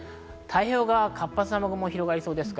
太平洋側は活発な雨雲は広がりそうです。